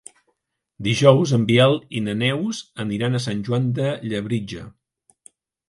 Dijous en Biel i na Neus aniran a Sant Joan de Labritja.